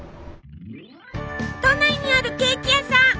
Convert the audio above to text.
都内にあるケーキ屋さん。